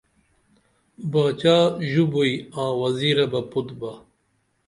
باچا ژو بوئی آں وزیرہ بہ پُت با